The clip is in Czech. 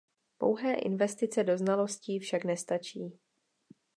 Pouhé investice do znalostí však nestačí.